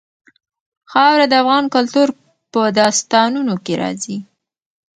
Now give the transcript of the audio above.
خاوره د افغان کلتور په داستانونو کې راځي.